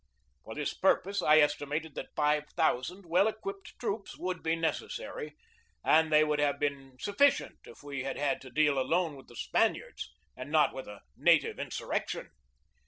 For this purpose I estimated that five thousand well equipped troops would be necessary, and they would have been sufficient if we had had to deal alone with the Spaniards and not with a native insurrection.